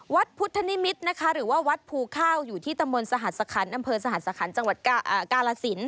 วัดพุทธนิมิตรนะคะหรือว่าวัดภูเข้าอยู่ที่ตะมนต์สหสคัญดำเพิร์ดสหสคัญจังหวัดกาลสิน